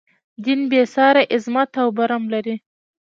دین بې ساری عظمت او برم لري.